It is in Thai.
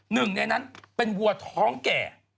หนึ่งในนั้นเป็นวัวท้องแก่